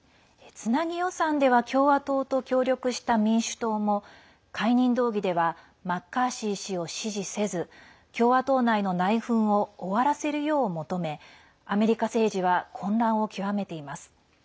つなぎ予算では共和党と協力した民主党も解任動議ではマッカーシー氏を支持せず共和党内の内紛を終わらせるよう求めアメリカ政治は混乱を極めています。